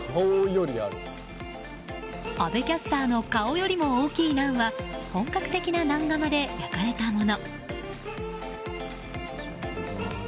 阿部キャスターの顔よりも大きいナンは本格的なナン窯で焼かれたもの。